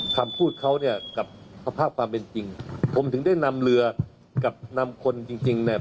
คำพูดเขาเนี่ยกับภาพความเป็นจริงผมถึงได้นำเรือกับนำคนจริงจริงเนี่ย